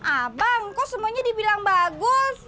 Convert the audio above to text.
abang kok semuanya dibilang bagus